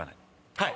はい。